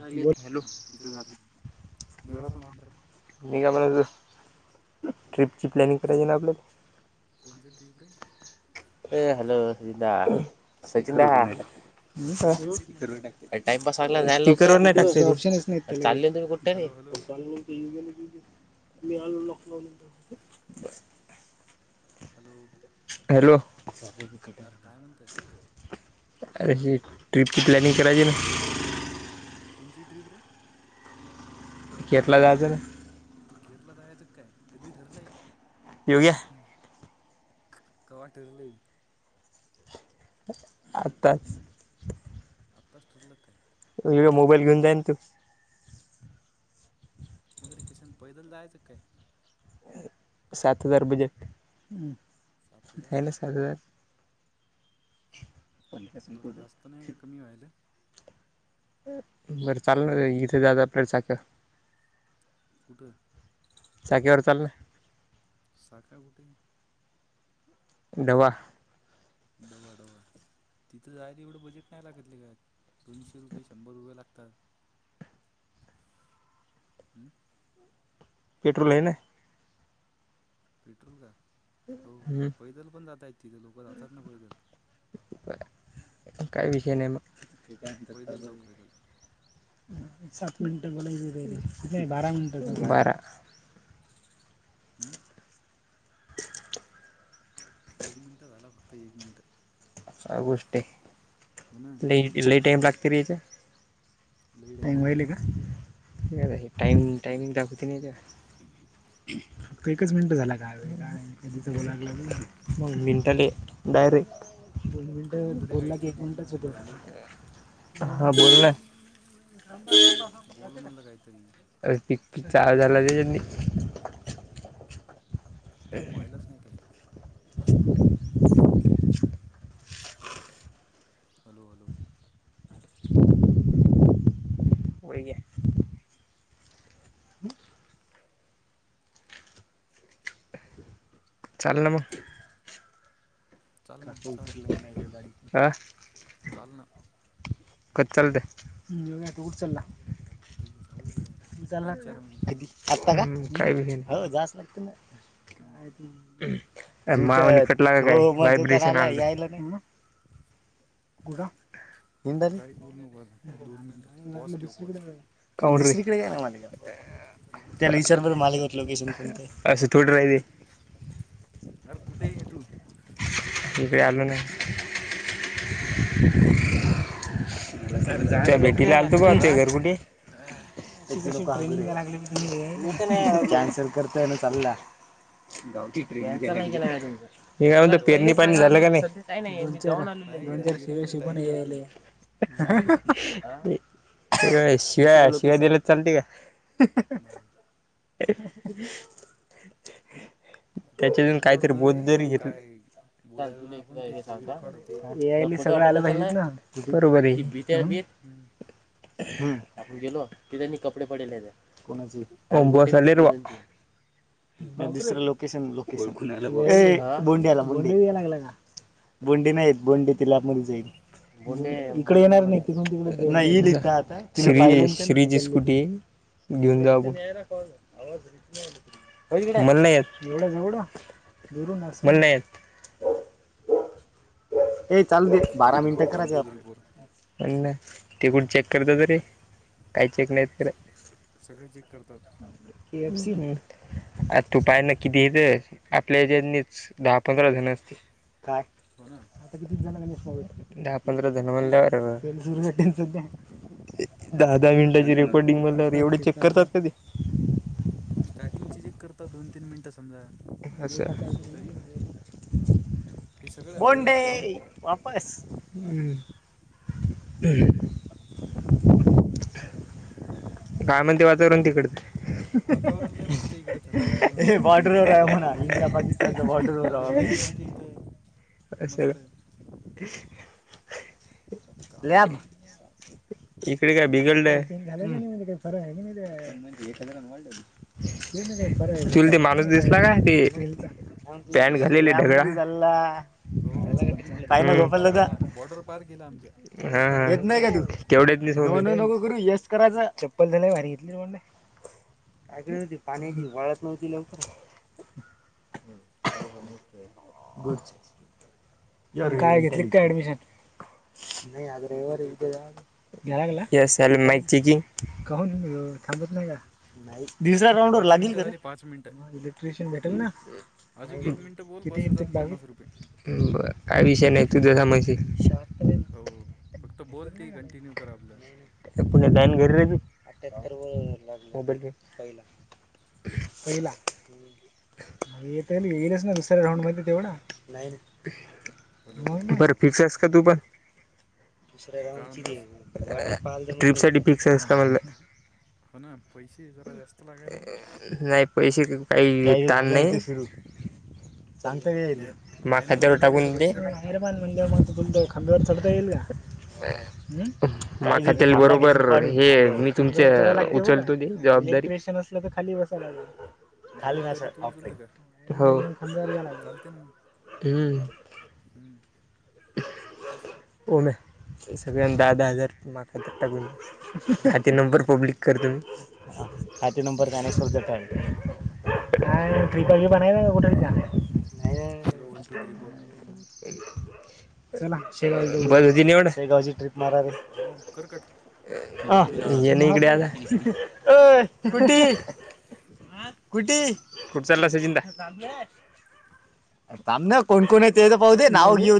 Hello तिथं जातो तिथं जरासा लांब रे निघालो नाही अजून ट्रिपची प्लॅनिंग करायची ना आपल्याला. [inaudible] ऐ हॅलो सचिंदा सचिनदा. अरे कोण कोणची ट्रीप म्हणला काय टाईमपास झाला आहे रे. स्पीकरवर नाही टाकलं. चालल तुम्ही कुठ रे हॅलो हॅलो [unintelligible] मी आलो लॉक लावून. [inaudible] हॅलो अरे काय म्हणताय अरे ट्रिप की प्लॅनिंग करायची ना. कोणती ट्रीप रे. केतला गाजर [unintelligible] योग्या कवा ठरलय. आताच. तस लक आहे. फिड मोबाईल घेऊन जाय ना तू. मगर कशान पैदल जायचं का काय? सात हजार बजेट सात हजार हे ना सात हजार. दोरा जास्त नाही का कमी व्हायले. बरं चाल ना रे. इथे जायच आपल्याला साख कुठे चाकीेवर चालक ना. [unintelligible] डवा डवाडवा तिथं जायला एवढं बजेट नाही लागत लेका. दोनशे रुपये शंभर रुपये लागतात. [inaudible] हम्म पेट्रोल आहे ना. पेट्रोल का? हो हम्म, पैदल पण जातय तिथे लोक जातात ना पैदल. काय हम्म विषय नाही मग. पैदल जाऊ पैदल सात मिनिटं बोलायच आहे पाहीले बारा मिट बारा. हम्म ते एक मिनट आ गोष्ट आहे. लई लई टईम लागत रे ह्यायात. लयी टाईम लागते. टाइम टाइमंग दाखवती नाही का. फक् एकच मिनटं झाला कावे तिथं बोलालं मग मिनटाले डायरेक्ट. दोन मिनिट बोल रे बोलला की काहीतरी एक बोल ना मिनिटच होते हॅलो हॅलो हा बोलना. बोल म्हणलं काहीतरी [unintelligible] चार हजारला दिल तेनी. टाइम वायलाच नाही का. [inaudible] हॅलो हॅलो होय घ्या. [inaudible] चाल ना मग. चाल मग चाल [inaudible] चाल ना कसं चालंय [inaudible] तू कुठं चालला कधी जाऊ. गड्या यार. तू चाला तीन आता चार मिनिटांनी कधी जाऊ आता ना हो जास् लागते ना. हम्म काय? [unintelligible] ह [inaudible] [unintelligible] थांब काहीच बोलू नको आता दोन मिनिटं पॉज ठेव पॉज तिकडं त्याला समोर विचार जाऊन बरं बस ना. माझ्याकडं लोकेशन कोणते असं थोडं राहिले आरं कुठे हे तू. इक आलू नाही [unintelligible] त्या भेटीला आलतो का ते घरगुटी. [unintelligible] अ [unintelligible] कॅन्सल करता. ग. [inaudible] हॅलो पेरणी हॅलो पाणी झालं का नाही [inaudible] नाही गड्या नर शेळ पेरणीला टाइम आहे अजून शिकूनले. च. [inaudible] शिव्या शिवा दिले चालते का. नाही आपलं त्याच्यातून रेकॉर्ड काहीतरी होणार बोध जरी आहे घेतलं. काय ज हो बोलायलो ना आपण ते सगळी रेकॉर्ड होते [unintelligible] सगळं आलं पाहिजे ना बरोबर आहे. [inaudible] हम्म हम आपण गेलो ति त्यांनी कपडे पडेले कोणाची [inaudible] दुसरं लोकेशन लोकेशन बोंडिला. [inaudible] ं [inaudible] लाग का बोंडी नाहीत बोंडी तिला आप जाईल. इकडे येणार नाही त आता. [unintelligible] कुटी घेऊन जावा [inaudible] मला नाही येत एवढं जवढं मला नाही येत [unintelligible] हे चालू दे हॅलो बारा हॅलो मिनटं वन करायच टू थ्री फोर आपल्याला ते कुठं चेक करतात रे काही चेक नाहीत करत. सगळं चेक करतात. ह् आ तू पाय ना कितीे येत्यात आपल्या हेचनी दहा [unintelligible] पंधराजण असतील काय? हो ना आता कितजन झालेत..? दहा पंधरा जण म्हणल्यावर [inaudible] दहा दहा मिनिटाची रेकॉर्डिंग बनल्यावर एवढं चेक करतात कधी? स्टार्टिंगची चेक करतात दोन-तीन मिनिटं. अस हे सगळं अरे बोंडे प्रॉम्प्ट वापस हुं [unintelligible] काय म्हणते वातावरण तिकडं वातावरण लई मस्त हाय इकडं थंडागार हे बॉर्डरवर [unintelligible] मस्त लॅब इकडं हरियाली आमच्या इथं मस्त काळे इकडे काय बिघडलंय का? [unintelligible] चुलते माणूस दे. का पॅन्ट घातलेली ढगला. हो हो ते बॉर्डर पार झाला, बॉर्डर पार गेला आमच्या हा येत हा नाही का तू केवढ्या नको करू यस करायचा चप्पल तर लई भारी घेतली. कायक होती पाण्याची वाळत नव्हती लवकर हॅलो हॅलो. काय घेतली का काय ऍडमिशन नाही आज वन टू रविवार आहे, थ्री उद्या फोर जाणार येस हॅलो माईक चेकिंग थांबत नाही का? नाही दुसऱ्या राऊंड वर पाच लागेली मिनटं का रे झाली पाच मिनटं इलेक्ट्रिशियन भेटेल ना अजून एक मिनिटं बोल किती बस येईल ते होेतात बावीस पन्नास रुपये बर काय विषय नाही तुझं समजशील तर बोलते कंटिन्यू करा आपलं अठ्यात्तर वगबल पहिला पहिला येतय ना येईलच ना दुसऱ्या राऊंड मध्ये तेवढा नाही हॅलो हॅलो नाही. बरं फिक्स आहेस का तू पण काय म्हणलास ट्रिपसाठी फिक्स आहेस का म्हणलं? हो ना पैसे जरा जास्त लागायले का? नाही पैसे काही ताण नाही. ज्ञा महा ज्ञानेश खात्यावर देणार आहे का टाकून दे. पैसे कयेल हां माझ त्या बरोबर हे मी तुमच उचलतो दे. जबाबदारी इक्वेशन असलं तर खाली बसाय लागल. खाली जबाबदारी तू उचलते का हो हुं. हुं कसं काय? सगळ्यांनी दहा दहा हजार माझ्या खात्यात टाकून दया ते नंबर पब्लिक करतो मी खाते नंबर ज्ञानेश्वरचे दयायचे. [unintelligible] Hello one two three four. चला शेगाव ला जाऊन येऊ, बर ते निवड शेगावची ट्रिप मारे रे. हो कर कट हा ये न इकडे आता ये कुटी कुटी कुठं चालला सचिनदा? अरे थांब ना कोण कोण येतंय ते तर पाऊ दे नाव घेऊ.